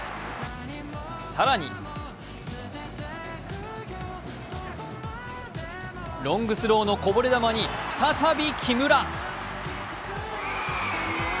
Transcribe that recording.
更に、ロングスローのこぼれ球に再び木村。